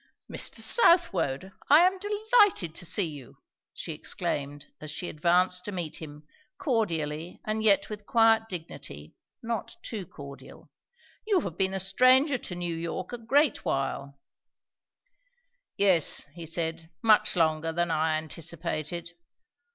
"Mr. Southwode! I am delighted to see you!" she exclaimed as she advanced to meet him, cordially, and yet with quiet dignity; not too cordial. "You have been a stranger to New York a great while." "Yes," he said. "Much longer than I anticipated."